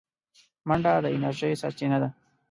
منډه د انرژۍ سرچینه ده